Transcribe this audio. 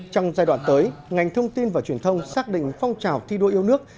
trong giai đoạn tới ngành thông tin và truyền thông xác định phong trào thi đua yêu nước